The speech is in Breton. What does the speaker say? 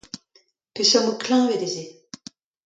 Peseurt mod kleñved eo se ?